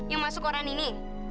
yang masuk koran ini